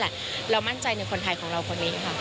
แต่เรามั่นใจในคนไทยของเราคนนี้ค่ะ